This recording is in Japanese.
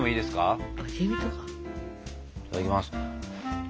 いただきます。